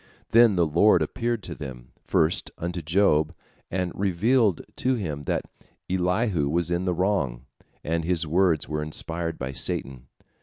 Then the Lord appeared to them, first unto Job, and revealed to him that Elihu was in the wrong, and his words were inspired by Satan.